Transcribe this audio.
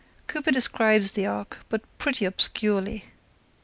Cooper describes the ark, but pretty obscurely.